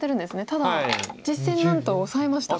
ただ実戦なんとオサえました。